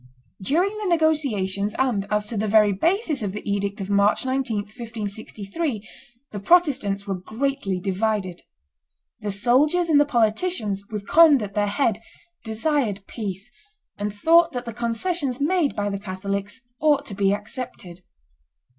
During the negotiations and as to the very basis of the edict of March 19, 1563, the Protestants were greatly divided; the soldiers and the politicians, with Conde at their head, desired peace, and thought that the concessions made by the Catholics ought to be accepted.